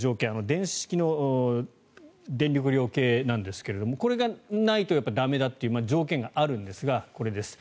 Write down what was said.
電子式の電力量計なんですがこれがないと駄目だという条件があるんですが、これです。